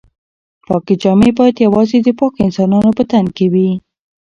پاکې جامې باید یوازې د پاکو انسانانو په تن کې وي.